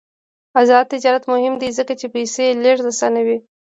آزاد تجارت مهم دی ځکه چې پیسې لیږد اسانوي.